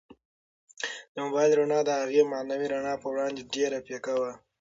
د موبایل رڼا د هغې معنوي رڼا په وړاندې ډېره پیکه وه.